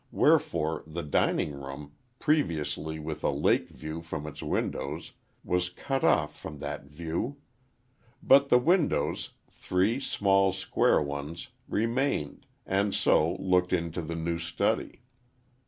Wherefore, the dining room, previously with a lake view from its windows, was cut off from that view. But, the windows, three small, square ones, remained, and so, looked into the new study.